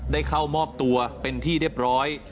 ได้เข้ามอบตัวเป็นที่เรียบร้อย